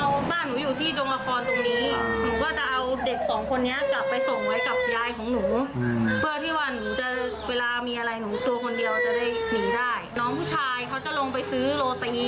ว่ามีจ้างตำรวจจับกูเหรอ